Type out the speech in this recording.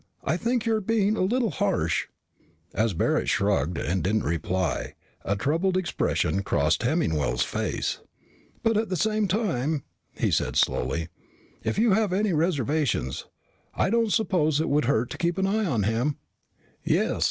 I think you're being a little harsh." As Barret shrugged and didn't reply, a troubled expression crossed Hemmingwell's face. "But at the same time," he said slowly, "if you have any reservations, I don't suppose it would hurt to keep an eye on him." "Yes!"